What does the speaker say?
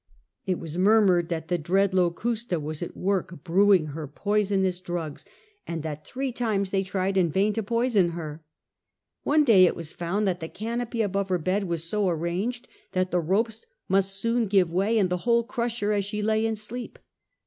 It was murmured that the dread Ag?i°pp1na Locusta was at work brewing her poisonous failed. drugs, and that three times they tried in vain to poison her. One day it was found that the canopy above her bed was so arranged that the ropes must soon give way, and the whole crush her as she lay in sleep.